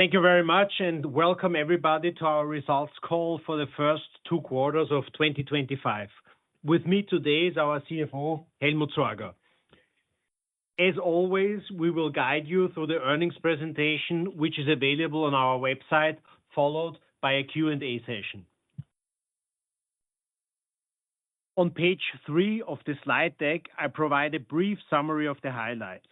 Thank you very much, and welcome everybody to our results call for the first two quarters of 2025. With me today is our CFO, Helmut Sorger. As always, we will guide you through the earnings presentation, which is available on our website, followed by a Q&A session. On page three of the slide deck, I provide a brief summary of the highlights.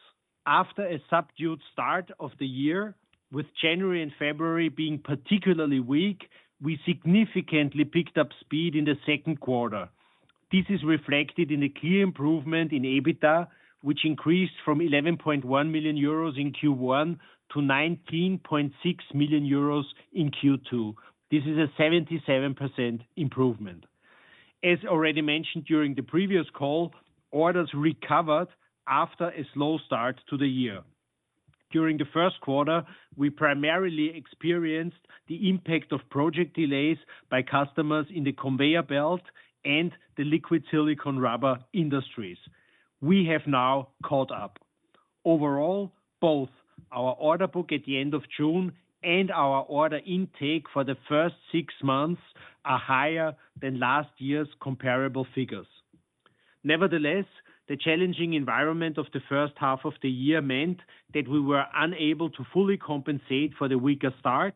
After a subdued start of the year, with January and February being particularly weak, we significantly picked up speed in the second quarter. This is reflected in a clear improvement in EBITDA, which increased from 11.1 million euros in Q1 to 19.6 million euros in Q2. This is a 77% improvement. As already mentioned during the previous call, orders recovered after a slow start to the year. During the first quarter, we primarily experienced the impact of project delays by customers in the conveyor belt and the liquid silicone rubber industries. We have now caught up. Overall, both our order book at the end of June and our order intake for the first six months are higher than last year's comparable figures. Nevertheless, the challenging environment of the first half of the year meant that we were unable to fully compensate for the weaker start.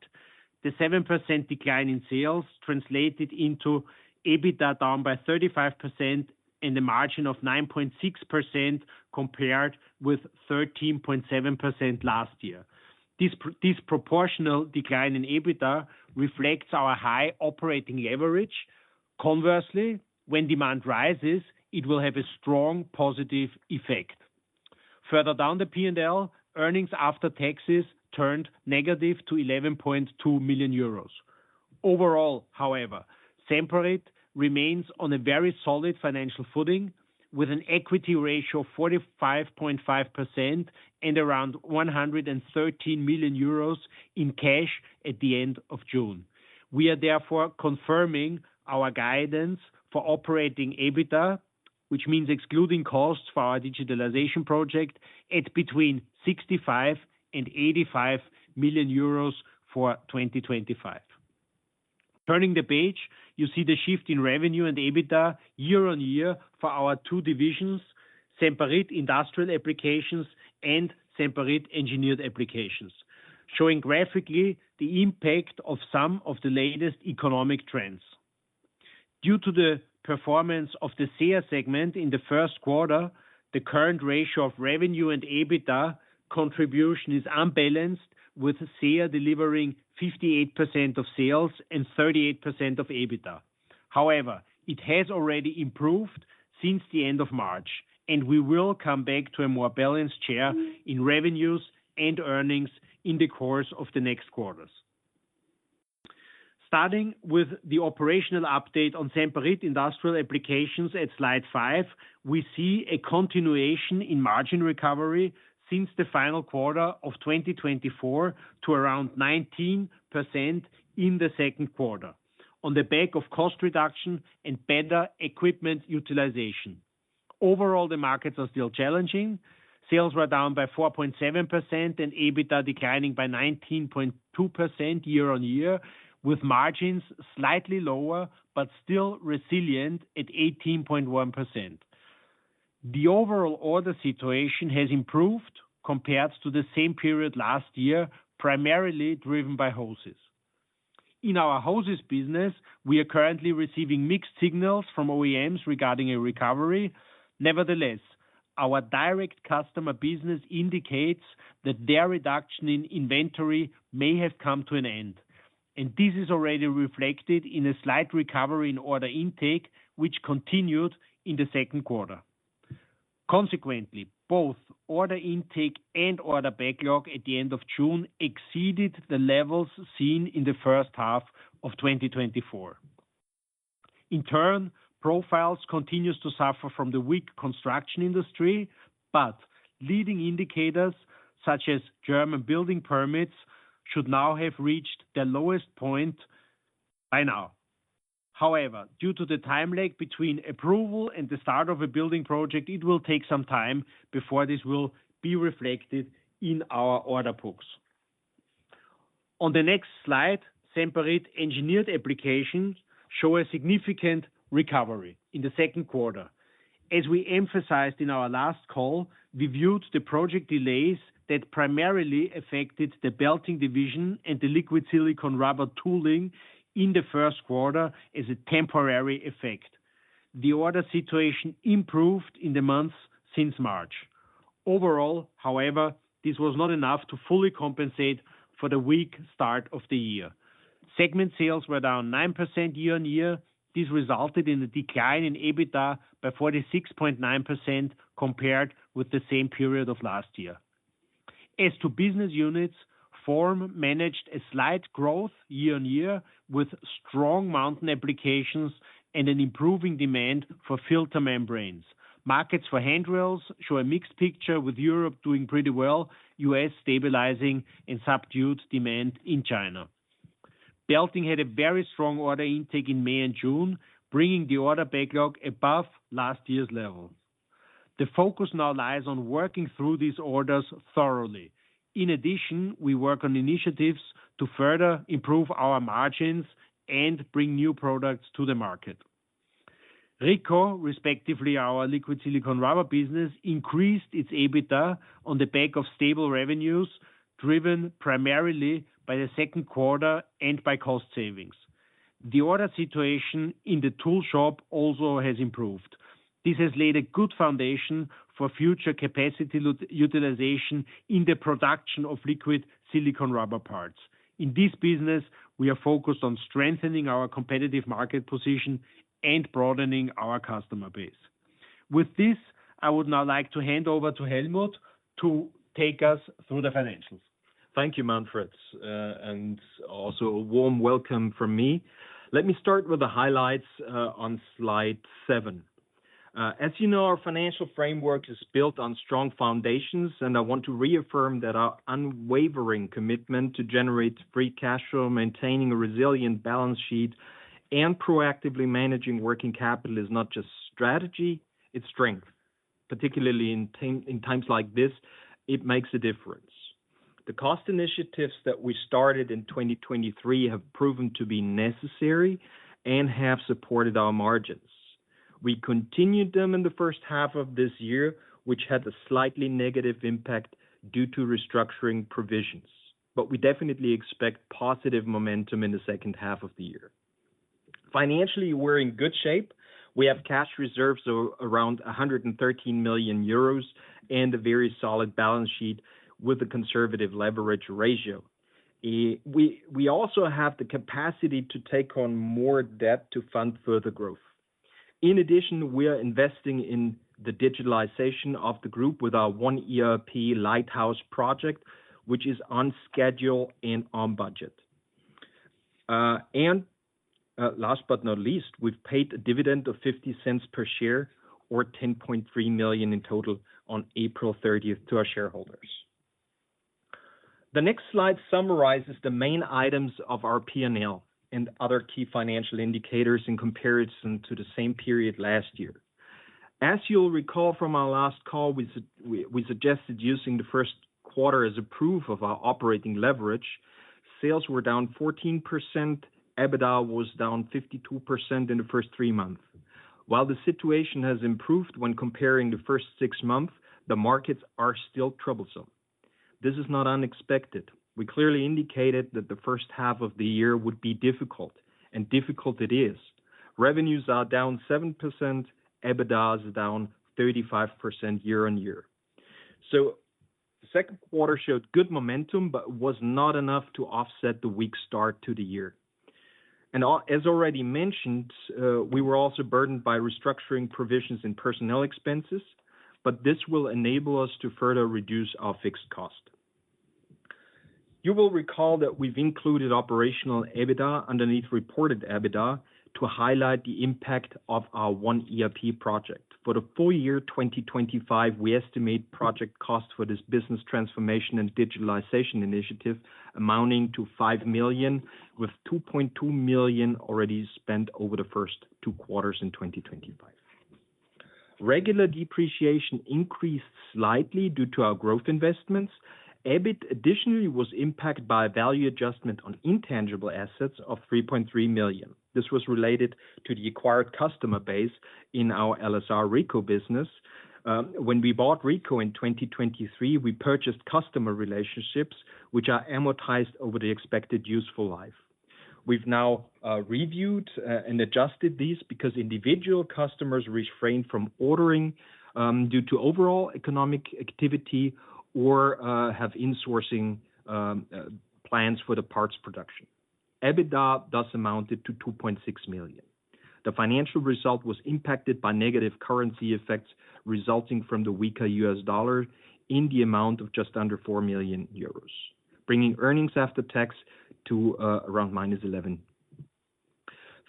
The 7% decline in sales translated into EBITDA down by 35% and a margin of 9.6% compared with 13.7% last year. This disproportional decline in EBITDA reflects our high operating leverage. Conversely, when demand rises, it will have a strong positive effect. Further down the P&L, earnings after taxes turned negative to 11.2 million euros. Overall, however, Semperit remains on a very solid financial footing with an equity ratio of 45.5% and around 113 million euros in cash at the end of June. We are therefore confirming our guidance for operating EBITDA, which means excluding costs for our digitalization project, at between 65 million-85 million euros for 2025. Turning the page, you see the shift in revenue and EBITDA year-on-year for our two divisions: Semperit Industrial Applications and Semperit Engineered Applications, showing graphically the impact of some of the latest economic trends. Due to the performance of the SEER segment in the first quarter, the current ratio of revenue and EBITDA contribution is unbalanced, with SEER delivering 58% of sales and 38% of EBITDA. However, it has already improved since the end of March, and we will come back to a more balanced share in revenues and earnings in the course of the next quarters. Starting with the operational update on Semperit Industrial Applications at slide five, we see a continuation in margin recovery since the final quarter of 2024 to around 19% in the second quarter on the back of cost reduction and better equipment utilization. Overall, the markets are still challenging. Sales were down by 4.7% and EBITDA declining by 19.2% year-on-year, with margins slightly lower but still resilient at 18.1%. The overall order situation has improved compared to the same period last year, primarily driven by hoses. In our hoses business, we are currently receiving mixed signals from OEMs regarding a recovery. Nevertheless, our direct customer business indicates that their reduction in inventory may have come to an end, and this is already reflected in a slight recovery in order intake, which continued in the second quarter. Consequently, both order intake and order backlog at the end of June exceeded the levels seen in the first half of 2024. In turn, profiles continue to suffer from the weak construction industry, but leading indicators such as German building permits should now have reached their lowest point by now. However, due to the time lag between approval and the start of a building project, it will take some time before this will be reflected in our order books. On the next slide, Semperit Engineered Applications shows a significant recovery in the second quarter. As we emphasized in our last call, we viewed the project delays that primarily affected the belting division and the liquid silicone rubber tooling in the first quarter as a temporary effect. The order situation improved in the months since March. Overall, however, this was not enough to fully compensate for the weak start of the year. Segment sales were down 9% year-on-year. This resulted in a decline in EBITDA by 46.9% compared with the same period of last year. As to business units, form managed a slight growth year-on-year with strong mounting applications and an improving demand for filter membranes. Markets for handrails show a mixed picture, with Europe doing pretty well, U.S. stabilizing, and subdued demand in China. Belting had a very strong order intake in May and June, bringing the order backlog above last year's level. The focus now lies on working through these orders thoroughly. In addition, we work on initiatives to further improve our margins and bring new products to the market. RICO, respectively our liquid silicone rubber business, increased its EBITDA on the back of stable revenues driven primarily by the second quarter and by cost savings. The order situation in the tool shop also has improved. This has laid a good foundation for future capacity utilization in the production of liquid silicone rubber parts. In this business, we are focused on strengthening our competitive market position and broadening our customer base. With this, I would now like to hand over to Helmut to take us through the financials. Thank you, Manfred, and also a warm welcome from me. Let me start with the highlights on slide seven. As you know, our financial framework is built on strong foundations, and I want to reaffirm that our unwavering commitment to generate free cash flow, maintaining a resilient balance sheet, and proactively managing working capital is not just strategy; it's strength. Particularly in times like this, it makes a difference. The cost initiatives that we started in 2023 have proven to be necessary and have supported our margins. We continued them in the first half of this year, which had a slightly negative impact due to restructuring provisions, but we definitely expect positive momentum in the second half of the year. Financially, we're in good shape. We have cash reserves of around 113 million euros and a very solid balance sheet with a conservative leverage ratio. We also have the capacity to take on more debt to fund further growth. In addition, we are investing in the digitalization of the group with our one ERP lighthouse project, which is on schedule and on budget. Last but not least, we've paid a dividend of 0.50 per share, or 10.3 million in total, on April 30 to our shareholders. The next slide summarizes the main items of our P&L and other key financial indicators in comparison to the same period last year. As you'll recall from our last call, we suggested using the first quarter as a proof of our operating leverage. Sales were down 14%; EBITDA was down 52% in the first three months. While the situation has improved when comparing the first six months, the markets are still troublesome. This is not unexpected. We clearly indicated that the first half of the year would be difficult, and difficult it is. Revenues are down 7%; EBITDA is down 35% year-on-year. The second quarter showed good momentum, but it was not enough to offset the weak start to the year. As already mentioned, we were also burdened by restructuring provisions and personnel expenses, but this will enable us to further reduce our fixed cost. You will recall that we've included operational EBITDA underneath reported EBITDA to highlight the impact of our one ERP project. For the full year 2025, we estimate project costs for this business transformation and digitalization initiative amounting to 5 million, with 2.2 million already spent over the first two quarters in 2025. Regular depreciation increased slightly due to our growth investments. EBIT additionally was impacted by a value adjustment on intangible assets of 3.3 million. This was related to the acquired customer base in our LSR-RICO business. When we bought RICO in 2023, we purchased customer relationships, which are amortized over the expected useful life. We've now reviewed and adjusted these because individual customers refrain from ordering due to overall economic activity or have insourcing plans for the parts production. EBITDA thus amounted to 2.6 million. The financial result was impacted by negative currency effects resulting from the weaker U.S. dollar in the amount of just under 4 million euros, bringing earnings after tax to around -11 million.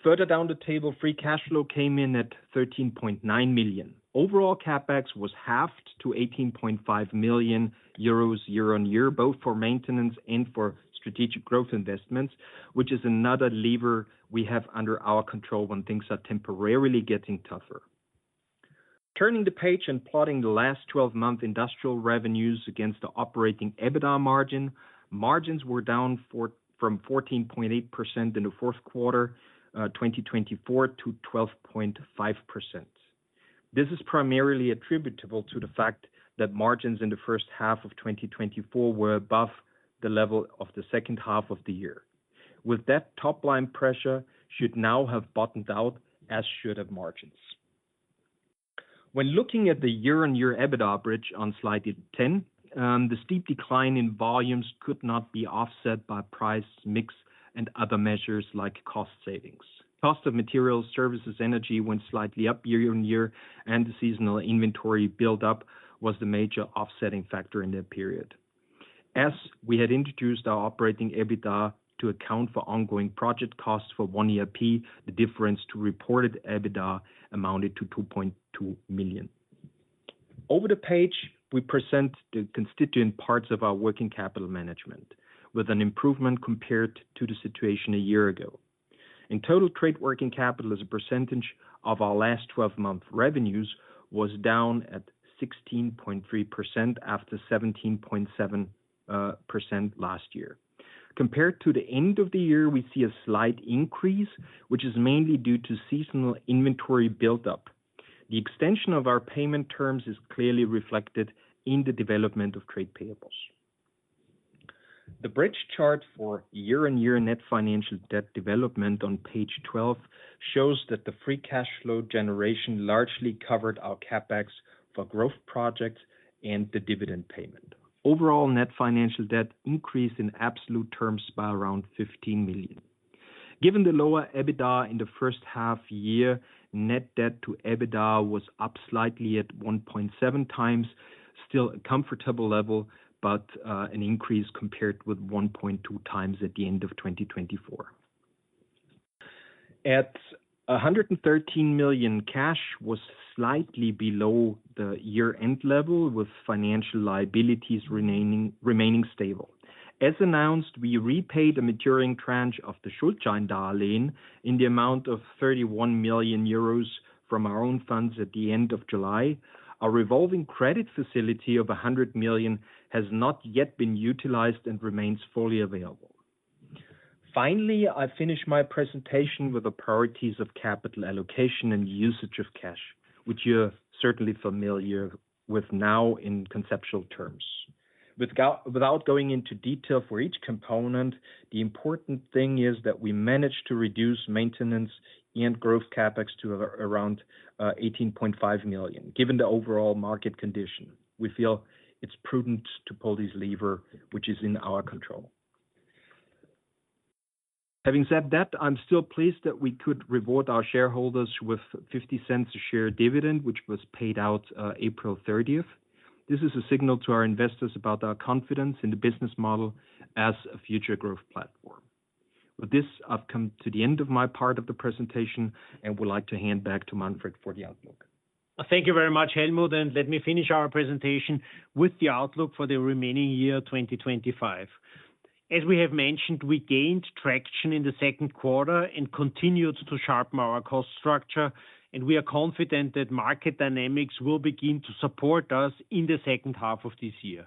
Further down the table, free cash flow came in at 13.9 million. Overall, CapEx was halved to 18.5 million euros year-on-year, both for maintenance and for strategic growth investments, which is another lever we have under our control when things are temporarily getting tougher. Turning the page and plotting the last 12-month industrial revenues against the operating EBITDA margin, margins were down from 14.8% in the fourth quarter of 2024 to 12.5%. This is primarily attributable to the fact that margins in the first half of 2024 were above the level of the second half of the year. With that, top-line pressure should now have bottomed out, as should the margins. When looking at the year-on-year EBITDA average on slide ten, the steep decline in volumes could not be offset by price mix and other measures like cost savings. Cost of materials, services, energy went slightly up year-on-year, and the seasonal inventory buildup was the major offsetting factor in that period. As we had introduced our operating EBITDA to account for ongoing project costs for one ERP, the difference to reported EBITDA amounted to 2.2 million. Over the page, we present the constituent parts of our working capital management with an improvement compared to the situation a year ago. In total, trade working capital as a percentage of our last 12-month revenues was down at 16.3% after 17.7% last year. Compared to the end of the year, we see a slight increase, which is mainly due to seasonal inventory buildup. The extension of our payment terms is clearly reflected in the development of trade payables. The bridge chart for year-on-year net financial debt development on page 12 shows that the free cash flow generation largely covered our CapEx for growth projects and the dividend payment. Overall, net financial debt increased in absolute terms by around 15 million. Given the lower EBITDA in the first half year, net debt to EBITDA was up slightly at 1.7x, still a comfortable level, but an increase compared with 1.2x at the end of 2023. At 113 million cash, it was slightly below the year-end level, with financial liabilities remaining stable. As announced, we repaid a maturing tranche of the Schuldscheindarlehen in the amount of 31 million euros from our own funds at the end of July. Our revolving credit facility of 100 million has not yet been utilized and remains fully available. Finally, I finish my presentation with the priorities of capital allocation and usage of cash, which you're certainly familiar with now in conceptual terms. Without going into detail for each component, the important thing is that we managed to reduce maintenance and growth CapEx to around 18.5 million. Given the overall market condition, we feel it's prudent to pull this lever, which is in our control. Having said that, I'm still pleased that we could reward our shareholders with 0.50 a share dividend, which was paid out April 30th. This is a signal to our investors about our confidence in the business model as a future growth platform. With this, I've come to the end of my part of the presentation and would like to hand back to Manfred for the outlook. Thank you very much, Helmut, and let me finish our presentation with the outlook for the remaining year 2025. As we have mentioned, we gained traction in the second quarter and continued to sharpen our cost structure, and we are confident that market dynamics will begin to support us in the second half of this year.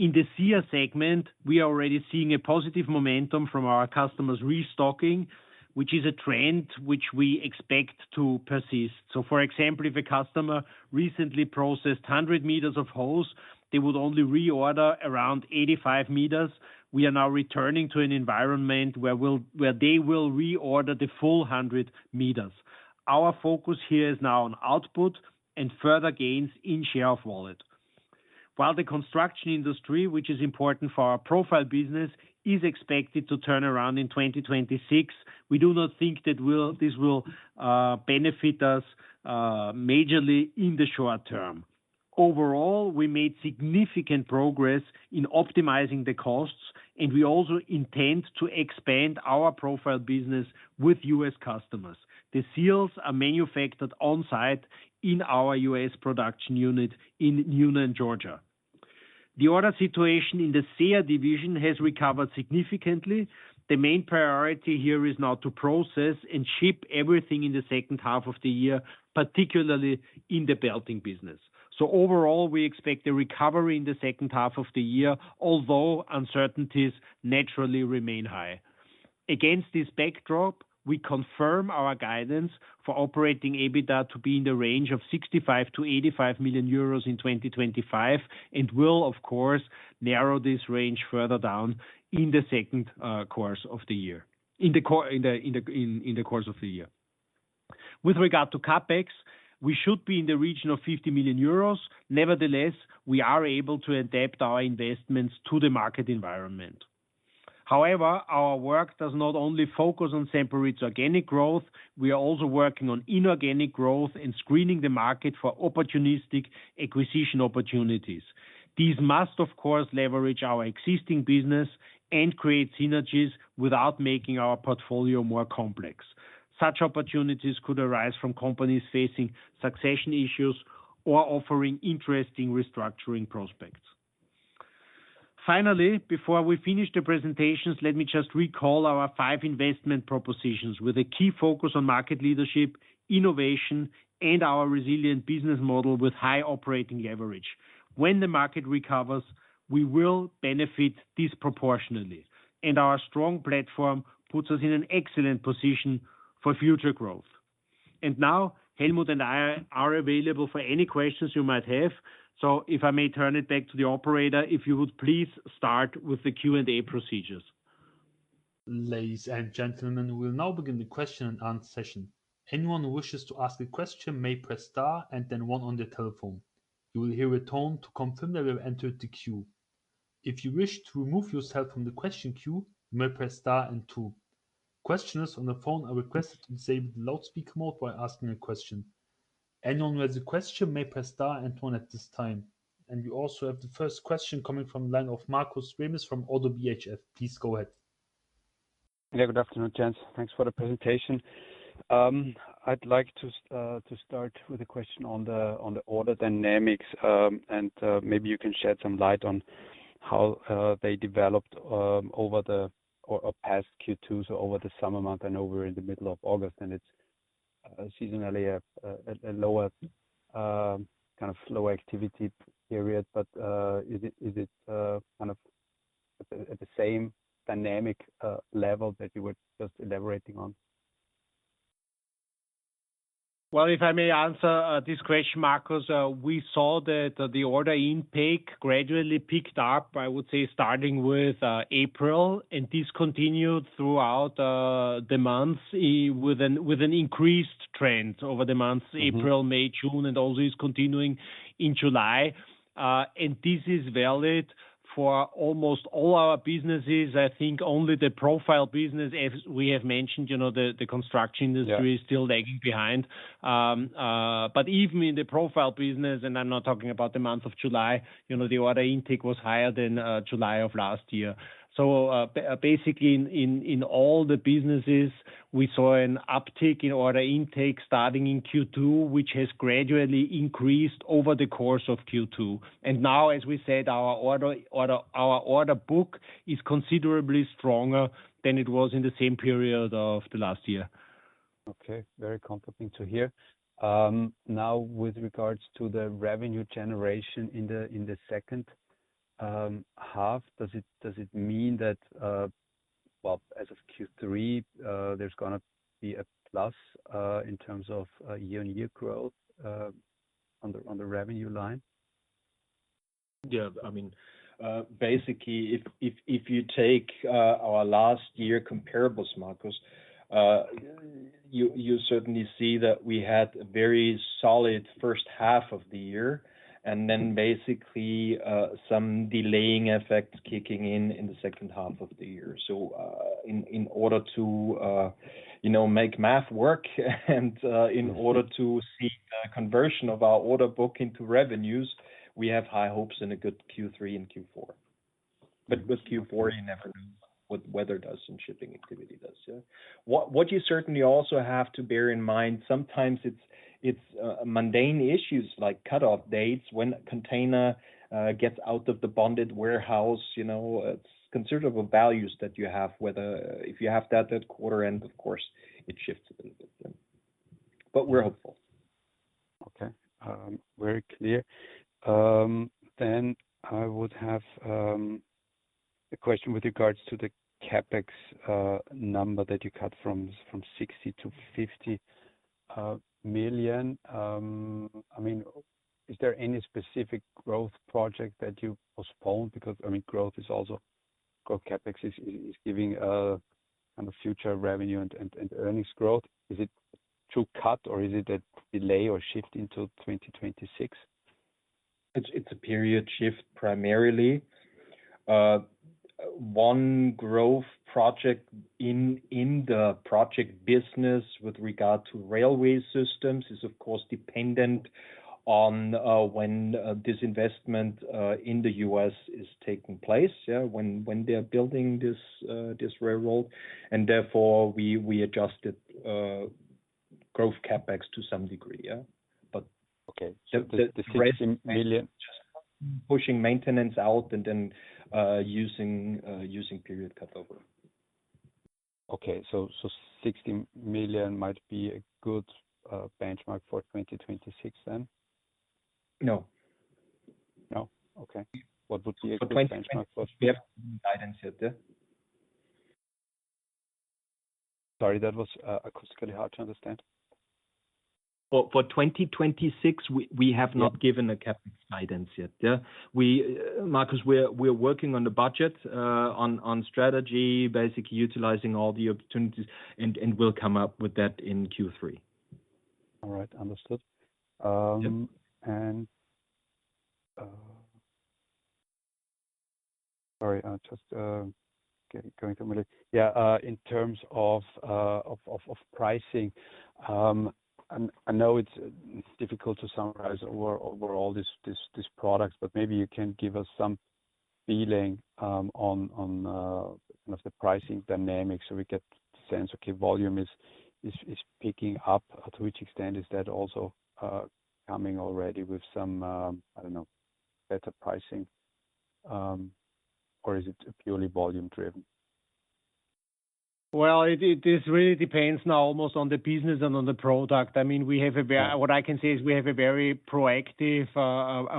In the SEER segment, we are already seeing a positive momentum from our customers restocking, which is a trend we expect to persist. For example, if a customer recently processed 100 m of hose, they would only reorder around 85 m. We are now returning to an environment where they will reorder the full 100 m. Our focus here is now on output and further gains in share of wallet. While the construction industry, which is important for our profiles business, is expected to turn around in 2026, we do not think that this will benefit us majorly in the short term. Overall, we made significant progress in optimizing the costs, and we also intend to expand our profiles business with US customers. The seals are manufactured on-site in our US production unit in Newnan, Georgia. The order situation in the SEER division has recovered significantly. The main priority here is now to process and ship everything in the second half of the year, particularly in the belting business. Overall, we expect a recovery in the second half of the year, although uncertainties naturally remain high. Against this backdrop, we confirm our guidance for operating EBITDA to be in the range of 65 million-85 million euros in 2025 and will, of course, narrow this range further down in the second course of the year. With regard to CapEx, we should be in the region of 50 million euros. Nevertheless, we are able to adapt our investments to the market environment. However, our work does not only focus on Semperit's organic growth; we are also working on inorganic growth and screening the market for opportunistic acquisition opportunities. These must, of course, leverage our existing business and create synergies without making our portfolio more complex. Such opportunities could arise from companies facing succession issues or offering interesting restructuring prospects. Finally, before we finish the presentations, let me just recall our five investment propositions with a key focus on market leadership, innovation, and our resilient business model with high operating leverage. When the market recovers, we will benefit disproportionately, and our strong platform puts us in an excellent position for future growth. Helmut and I are available for any questions you might have. If I may turn it back to the operator, if you would please start with the Q&A procedures. Ladies and gentlemen, we will now begin the question and answer session. Anyone who wishes to ask a question may press star and then one on their telephone. You will hear a tone to confirm that you have entered the queue. If you wish to remove yourself from the question queue, you may press star and two. Questioners on the phone are requested to disable the loudspeaker mode while asking a question. Anyone who has a question may press star and one at this time. We also have the first question coming from the line of Markus Remis from ODDO BHF. Please go ahead. Yeah, good afternoon, Jens. Thanks for the presentation. I'd like to start with a question on the order dynamics. Maybe you can shed some light on how they developed over the past Q2, over the summer months, and in the middle of August. It's seasonally a lower kind of low activity period, but is it at the same dynamic level that you were just elaborating on? If I may answer this question, Markus, we saw that the order intake gradually picked up, I would say starting with April, and this continued throughout the month with an increased trend over the months April, May, June, and always continuing in July. This is valid for almost all our businesses. I think only the profiles business, as we have mentioned, you know, the construction industry is still lagging behind. Even in the profiles business, and I'm not talking about the month of July, you know, the order intake was higher than July of last year. Basically, in all the businesses, we saw an uptick in order intake starting in Q2, which has gradually increased over the course of Q2. Now, as we said, our order book is considerably stronger than it was in the same period of last year. Okay, very comforting to hear. Now, with regards to the revenue generation in the second half, does it mean that as of Q3, there's going to be a plus in terms of year-on-year growth on the revenue line? Yeah, I mean, basically, if you take our last year comparables, Markus, you certainly see that we had a very solid first half of the year, and then basically some delaying effects kicking in in the second half of the year. In order to, you know, make math work and in order to see a conversion of our order book into revenues, we have high hopes in a good Q3 and Q4. With Q4, you never know what the weather does and shipping activity does. What you certainly also have to bear in mind, sometimes it's mundane issues like cutoff dates when a container gets out of the bonded warehouse. It's considerable values that you have, whether if you have that at quarter end, it shifts a little bit. We're hopeful. Okay, very clear. I would have a question with regards to the CapEx number that you cut from 60 million-50 million. I mean, is there any specific growth project that you postponed? I mean, growth is also, growth CapEx is giving kind of future revenue and earnings growth. Is it to cut or is it a delay or shift into 2026? It's a period shift primarily. One growth project in the project business with regard to railway systems is, of course, dependent on when this investment in the U.S. is taking place, when they're building this railroad, and therefore we adjusted growth CapEx to some degree. Okay, so the 60 million... Pushing maintenance out, and then using period cutover. Okay, so 60 million might be a good benchmark for 2026 then? No. No, okay. What would be a good benchmark for? For 2026, yep, guidance yet. Sorry, that was acoustically hard to understand. For 2026, we have not given a CapEx guidance yet. Markus, we're working on the budget, on strategy, basically utilizing all the opportunities, and we'll come up with that in Q3. All right, understood. Sorry, I'm just going through my list. In terms of pricing, I know it's difficult to summarize over all these products, but maybe you can give us some feeling on kind of the pricing dynamics so we get a sense of volume is picking up. To which extent is that also coming already with some, I don't know, better pricing? Or is it purely volume driven? It really depends now almost on the business and on the product. I mean, what I can say is we have a very proactive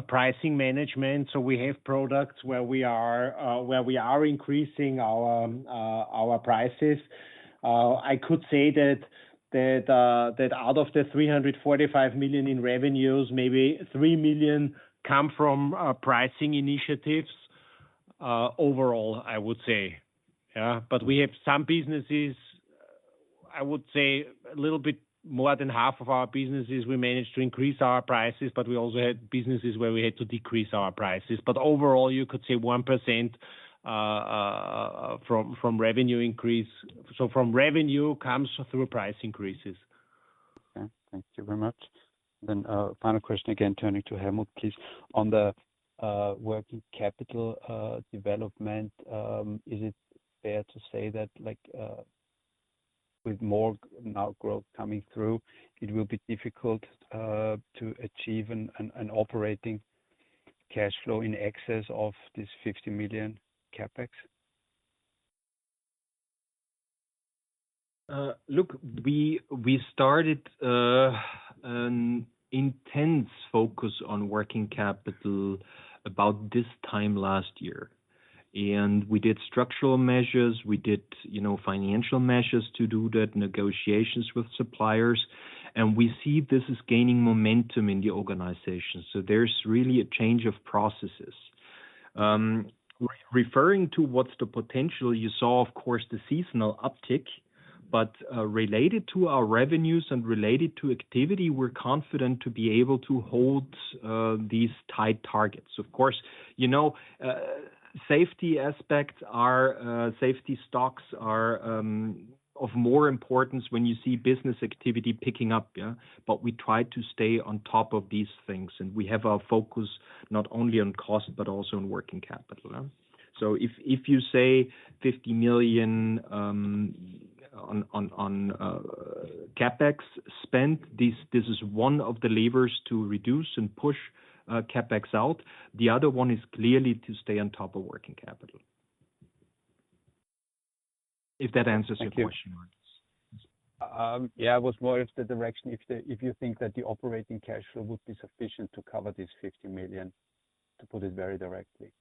pricing management. We have products where we are increasing our prices. I could say that out of the 345 million in revenues, maybe 3 million come from pricing initiatives overall, I would say. We have some businesses, I would say a little bit more than half of our businesses, we managed to increase our prices, but we also had businesses where we had to decrease our prices. Overall, you could say 1% from revenue increase. From revenue comes through price increases. Okay, thank you very much. Final question again, turning to Helmut, please. On the working capital development, is it fair to say that with more now growth coming through, it will be difficult to achieve an operating cash flow in excess of this 50 million CapEx? Look, we started an intense focus on working capital about this time last year. We did structural measures, we did financial measures to do that, negotiations with suppliers, and we see this is gaining momentum in the organization. There's really a change of processes. Referring to what's the potential, you saw, of course, the seasonal uptick, but related to our revenues and related to activity, we're confident to be able to hold these tight targets. Of course, safety aspects are, safety stocks are of more importance when you see business activity picking up. Yeah, we try to stay on top of these things, and we have our focus not only on cost, but also on working capital. If you say 50 million on CapEx spent, this is one of the levers to reduce and push CapEx out. The other one is clearly to stay on top of working capital. If that answers your question, Markus. Yeah, it was more of the direction if you think that the operating cash flow would be sufficient to cover this 50 million, to put it very directly.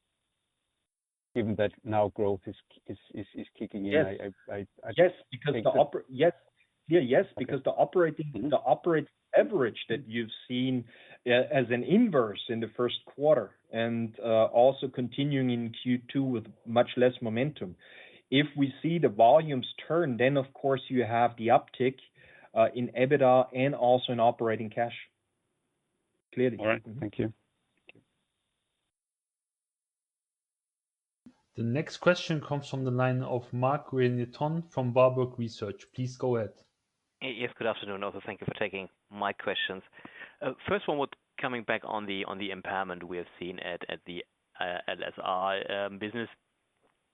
Given that now growth is kicking in, I think. Yes, because the operating average that you've seen as an inverse in the first quarter and also continuing in Q2 with much less momentum. If we see the volumes turn, then of course you have the uptick in EBITDA and also in operating cash. Clearly. All right, thank you. The next question comes from the line of Marc-René Tonn from Warburg Research. Please go ahead. Yes, good afternoon. Also, thank you for taking my questions. First one would be coming back on the impairment we have seen at the LSR business.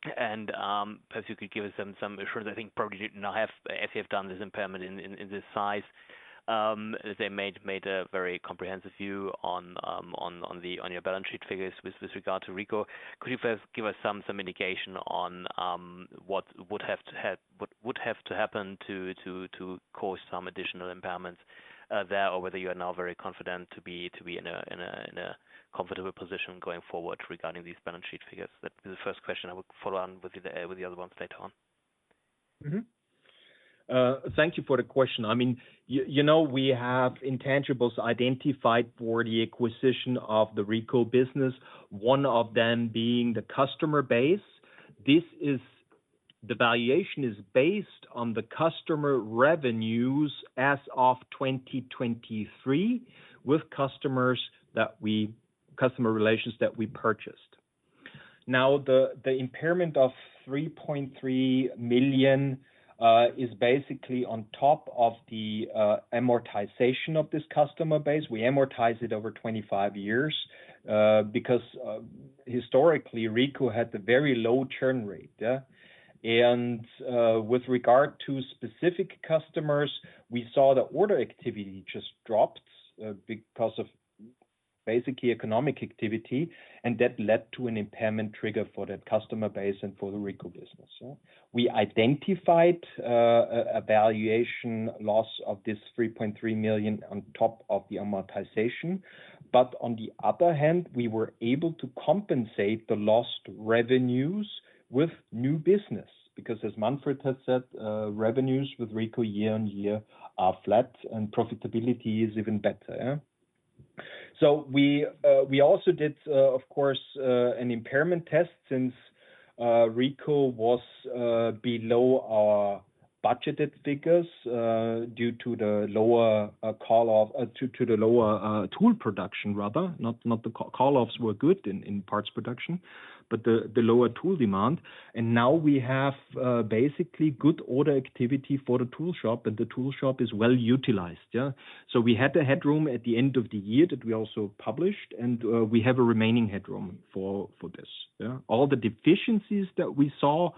Perhaps you could give us some issues. I think probably you did not have an impairment in this size. They made a very comprehensive view on your balance sheet figures with regard to RICO. Could you first give us some indication on what would have to happen to cause some additional impairments there or whether you are now very confident to be in a comfortable position going forward regarding these balance sheet figures? That would be the first question. I will follow on with the other ones later on. Thank you for the question. I mean, you know, we have intangibles identified for the acquisition of the RICO business, one of them being the customer base. This evaluation is based on the customer revenues as of 2023 with customers that we, customer relations that we purchased. Now, the impairment of 3.3 million is basically on top of the amortization of this customer base. We amortize it over 25 years because historically RICO had a very low churn rate. With regard to specific customers, we saw the order activity just dropped because of basically economic activity, and that led to an impairment trigger for that customer base and for the RICO business. We identified a valuation loss of this 3.3 million on top of the amortization. On the other hand, we were able to compensate the lost revenues with new business because, as Manfred has said, revenues with RICO year-on-year are flat and profitability is even better. We also did, of course, an impairment test since RICO was below our budgeted figures due to the lower tool production, rather. Not the call-offs were good in parts production, but the lower tool demand. Now we have basically good order activity for the tool shop, and the tool shop is well utilized. We had the headroom at the end of the year that we also published, and we have a remaining headroom for this. All the deficiencies that we saw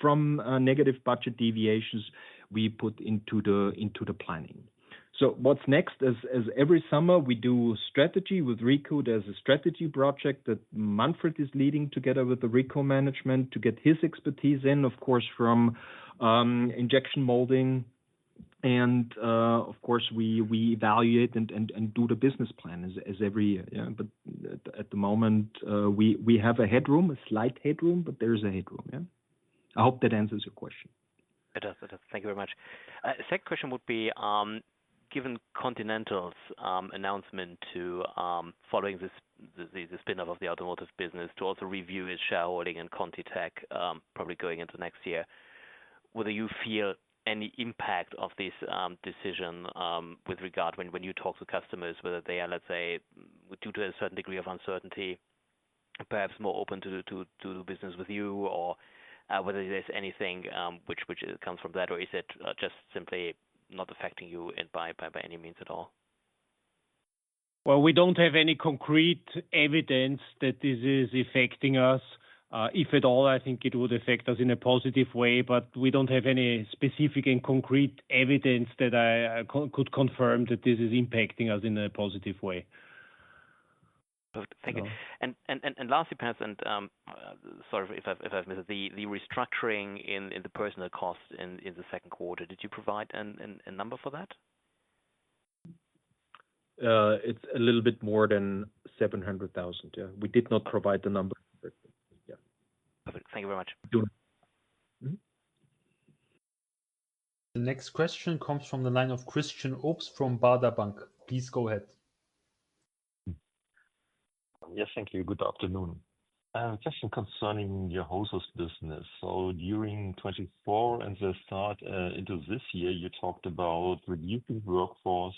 from negative budget deviations, we put into the planning. What's next? As every summer, we do strategy with RICO. There's a strategy project that Manfred is leading together with the RICO management to get his expertise in, of course, from injection molding. Of course, we evaluate and do the business plan as every year. At the moment, we have a headroom, a slight headroom, but there is a headroom. Yeah, I hope that answers your question. It does, it does. Thank you very much. The second question would be, given Continental's announcement following the spin-off of the automotive business to also review its shareholding and ContiTech probably going into next year, whether you feel any impact of this decision with regard when you talk to customers, whether they are, let's say, due to a certain degree of uncertainty, perhaps more open to do business with you, or whether there's anything which comes from that, or is it just simply not affecting you by any means at all? We don't have any concrete evidence that this is affecting us. If at all, I think it would affect us in a positive way, but we don't have any specific and concrete evidence that I could confirm that this is impacting us in a positive way. Thank you. Lastly, Perez, and sorry if I've missed it, the restructuring in the personnel cost in the second quarter, did you provide a number for that? It's a little bit more than 700,000. Yeah, we did not provide the number. Perfect. Thank you very much. The next question comes from the line of Christian Obst from Baader Bank. Please go ahead. Yes, thank you. Good afternoon. I have a question concerning your hoses business. During 2024 and the start into this year, you talked about reducing workforce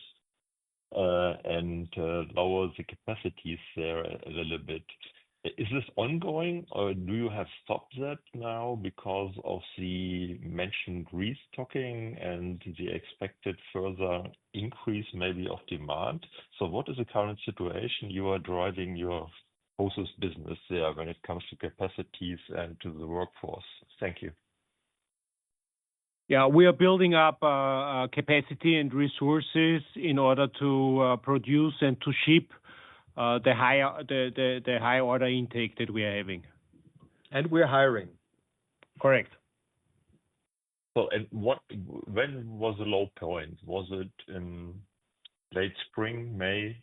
and lowering the capacities there a little bit. Is this ongoing or have you stopped that now because of the mentioned restocking and the expected further increase maybe of demand? What is the current situation you are driving your hoses business there when it comes to capacities and to the workforce? Thank you. Yeah, we are building up capacity and resources in order to produce and to ship the high order intake that we are having. We're hiring. Correct. When was the low point? Was it in late spring, May,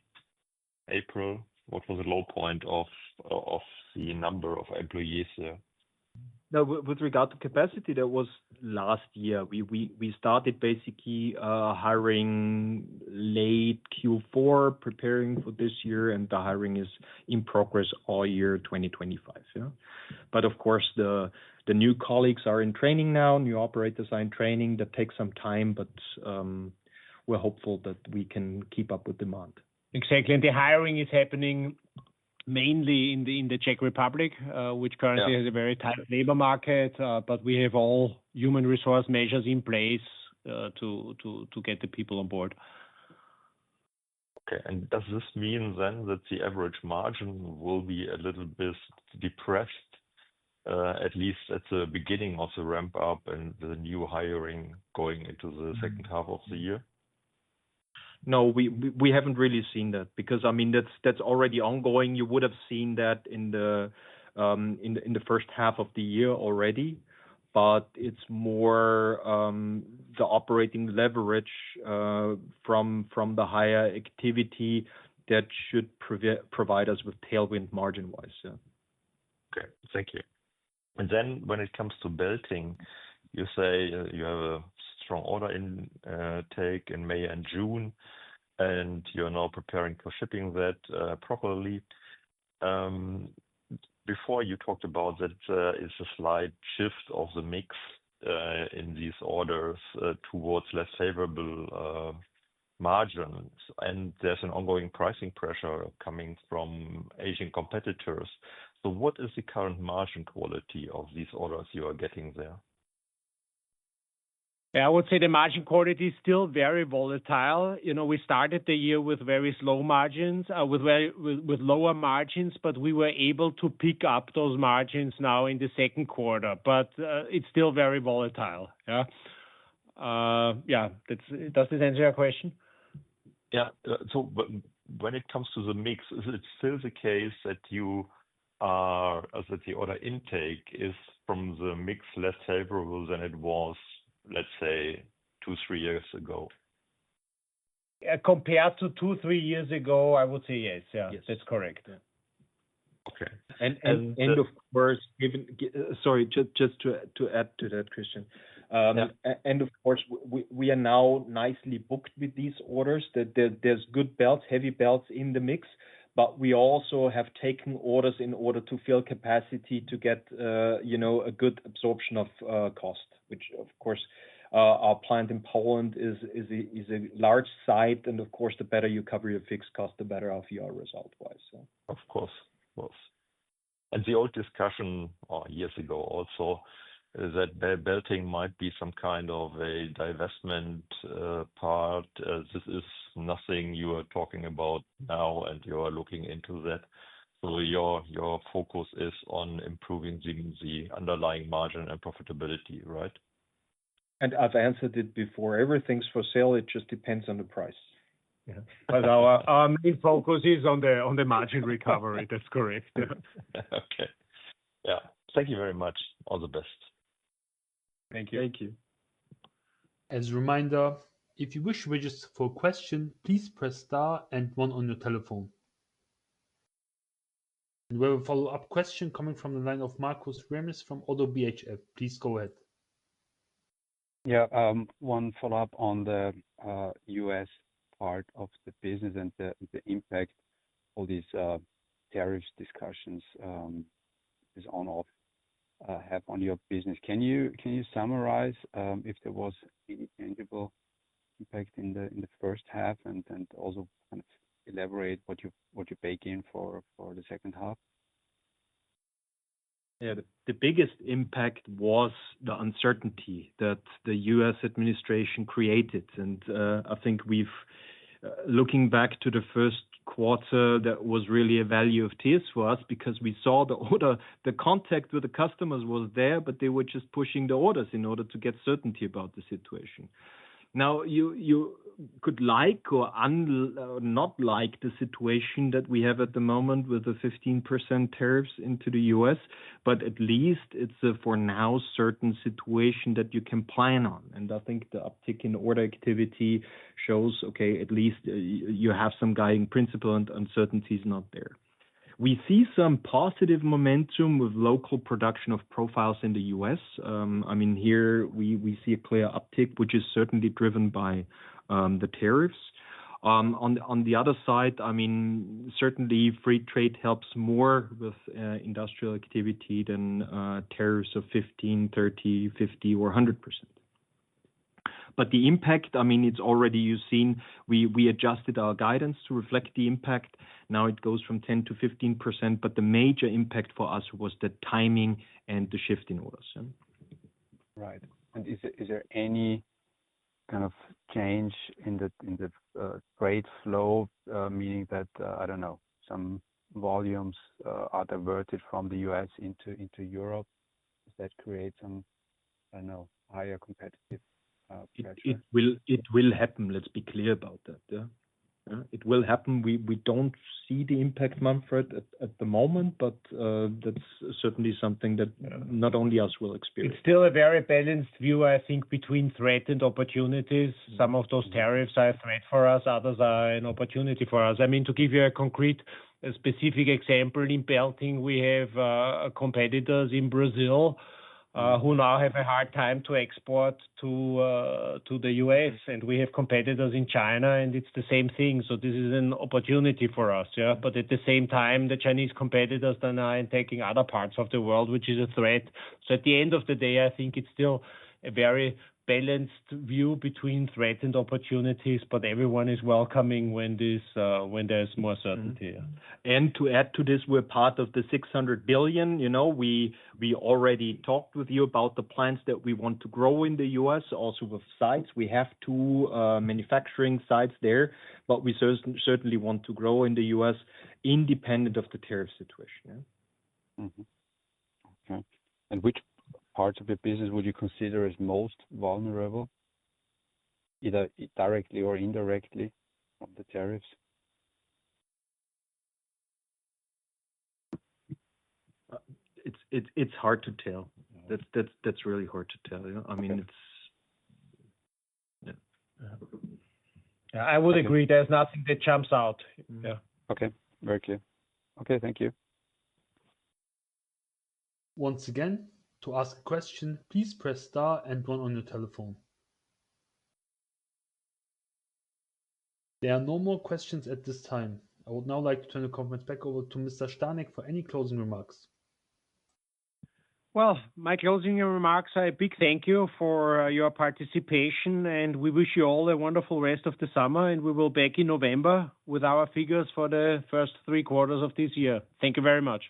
April? What was the low point of the number of employees here? Now, with regard to capacity, that was last year. We started basically hiring late Q4, preparing for this year, and the hiring is in progress all year 2025. The new colleagues are in training now. New operators are in training. That takes some time, but we're hopeful that we can keep up with demand. Exactly. The hiring is happening mainly in the Czech Republic, which currently has a very tight labor market, but we have all human resource measures in place to get the people on board. Okay, does this mean that the average margin will be a little bit depressed, at least at the beginning of the ramp-up and the new hiring going into the second half of the year? No, we haven't really seen that because, I mean, that's already ongoing. You would have seen that in the first half of the year already, but it's more the operating leverage from the higher activity that should provide us with tailwind margin-wise. Okay, thank you. When it comes to belting, you say you have a strong order intake in May and June, and you're now preparing for shipping that properly. Before, you talked about that it's a slight shift of the mix in these orders towards less favorable margins, and there's an ongoing pricing pressure coming from Asian competitors. What is the current margin quality of these orders you are getting there? Yeah, I would say the margin quality is still very volatile. We started the year with very slow margins, with lower margins, but we were able to pick up those margins now in the second quarter. It's still very volatile. Yeah, does this answer your question? When it comes to the mix, is it still the case that the order intake is from the mix less favorable than it was, let's say, two, three years ago? Compared to two, three years ago, I would say yes. Yeah, that's correct. Okay. Of course, just to add to that question, we are now nicely booked with these orders. There's good belts, heavy belts in the mix, but we also have taken orders in order to fill capacity to get a good absorption of cost, which, of course, our plant in Poland is a large site. The better you cover your fixed cost, the better off you are result-wise. Of course. The old discussion years ago also is that belting might be some kind of a divestment part. This is nothing you are talking about now, and you are looking into that. Your focus is on improving the underlying margin and profitability, right? I've answered it before. Everything's for sale. It just depends on the price. Yeah. Our main focus is on the margin recovery. That's correct. Okay, yeah, thank you very much. All the best. Thank you. Thank you. As a reminder, if you wish to register for a question, please press star and one on your telephone. We have a follow-up question coming from the line of Markus Remis from ODDO BHF. Please go ahead. Yeah, one follow-up on the US part of the business and the impact of these tariff discussions is on or off have on your business. Can you summarize if there was any tangible impact in the first half, and also kind of elaborate what you're baking in for the second half? Yeah, the biggest impact was the uncertainty that the U.S. administration created. I think we've, looking back to the first quarter, that was really a valley of tears for us because we saw the order, the contact with the customers was there, but they were just pushing the orders in order to get certainty about the situation. Now, you could like or not like the situation that we have at the moment with the 15% tariffs into the U.S., but at least it's a for now certain situation that you can plan on. I think the uptick in order activity shows, okay, at least you have some guiding principle and uncertainty is not there. We see some positive momentum with local production of profiles in the U.S. I mean, here we see a clear uptick, which is certainly driven by the tariffs. On the other side, certainly free trade helps more with industrial activity than tariffs of 15%, 30%, 50%, or 100%. The impact, I mean, it's already seen. We adjusted our guidance to reflect the impact. Now it goes from 10%-15%, but the major impact for us was the timing and the shift in orders. Right. Is there any kind of change in the trade flow, meaning that, I don't know, some volumes are diverted from the U.S. into Europe? Does that create some, I don't know, higher competitive? It will happen. Let's be clear about that. It will happen. We don't see the impact, Markus, at the moment, but that's certainly something that not only us will experience. It's still a very balanced view, I think, between threats and opportunities. Some of those tariffs are a threat for us. Others are an opportunity for us. I mean, to give you a concrete, specific example in belting, we have competitors in Brazil who now have a hard time to export to the U.S., and we have competitors in China, and it's the same thing. This is an opportunity for us. At the same time, the Chinese competitors are now in taking other parts of the world, which is a threat. At the end of the day, I think it's still a very balanced view between threats and opportunities, but everyone is welcoming when there's more certainty. To add to this, we're part of the 600 billion. You know, we already talked with you about the plans that we want to grow in the U.S., also with sites. We have two manufacturing sites there, but we certainly want to grow in the U.S. independent of the tariff situation. Okay. Which parts of the business would you consider as most vulnerable, either directly or indirectly, from the tariffs? It's hard to tell. That's really hard to tell. I mean, it's hard to say. I would agree there's nothing that jumps out. Okay, very clear. Okay, thank you. Once again, to ask a question, please press star and one on your telephone. There are no more questions at this time. I would now like to turn the conference back over to Mr. Stanek for any closing remarks. My closing remarks are a big thank you for your participation, and we wish you all a wonderful rest of the summer. We will be back in November with our figures for the first three quarters of this year. Thank you very much.